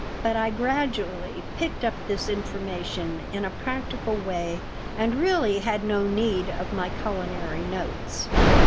But I gradually picked up this information in a practical way and really had no need of my culinary notes.